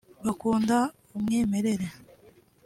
bakunda umwimerere